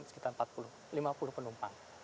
sekitar lima puluh penumpang